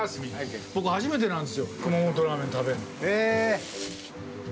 僕、初めてなんですよ、熊本ラーメン食べるの。